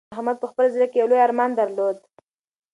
خیر محمد په خپل زړه کې یو لوی ارمان درلود.